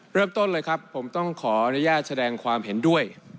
เริ่มต้นเลยครับผมต้องขออนุญาตแสดงความเห็นด้วย